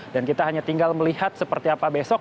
dan kita hanya tinggal melihat seperti apa besok